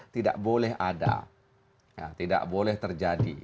tidak boleh ada tidak boleh terjadi